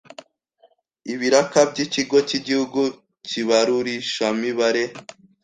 ibiraka by’ikigo cy’igihugu cy’ibarurishamibare.